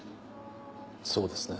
そうですね。